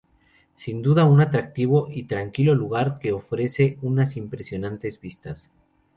Sin duda un atractivo y tranquilo lugar que ofrece unas impresionantes vistas.